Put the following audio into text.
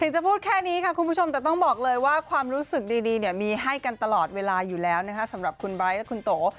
จะพูดแค่นี้ค่ะคุณผู้ชมแต่ต้องบอกเลยว่าความรู้สึกดีเนี่ยมีให้กันตลอดเวลาอยู่แล้วนะคะสำหรับคุณไบร์ทและคุณโต